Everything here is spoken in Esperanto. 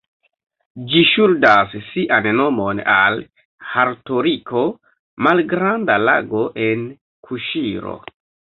Ĝi ŝuldas sian nomon al "Harutori-ko", malgranda lago en Kuŝiro.